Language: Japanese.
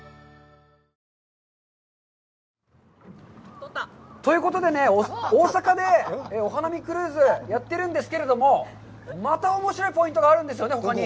行きたいなぁ、ということで、大阪でお花見クルーズをやっているんですけれども、またおもしろいポイントがあるんですよね、ほかに。